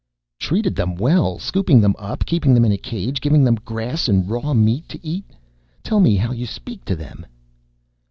"Treated them well! Scooping them up, keeping them in a cage, giving them grass and raw meat to eat? Tell me how to speak to them."